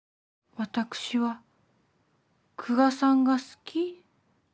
私は久我さんが好き？